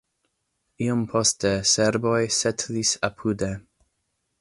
Iom poste serboj setlis apude.